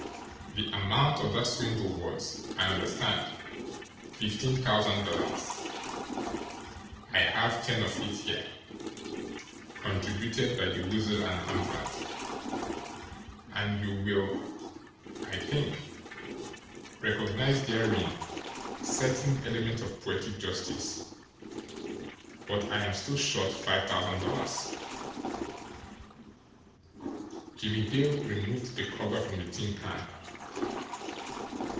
The amount of that swindle was, I understand, fifteen thousand dollars. I have ten of it here, contributed by the Weasel and Hamvert; and you will, I think, recognise therein a certain element of poetic justice but I am still short five thousand dollars." Jimmie Dale removed the cover from the tin can.